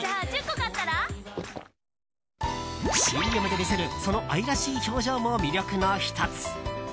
ＣＭで見せるその愛らしい表情も魅力の１つ。